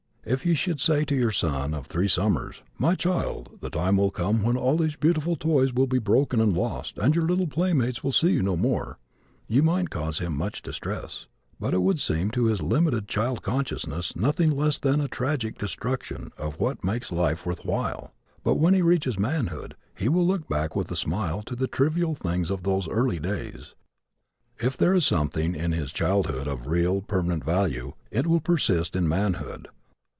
If you should say to your son of three summers, "My child, the time will come when all these beautiful toys will be broken and lost and your little playmates will see you no more," you might cause him much distress. It would seem to his limited child consciousness nothing less than a tragic destruction of what makes life worth while. But when he reaches manhood he will look back with a smile to the trivial things of those early days. If there is something in his childhood of real, permanent value, it will persist in manhood.